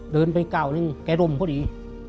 เดินไปเก่านึงแกลมพอดี